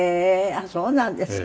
あっそうなんですか。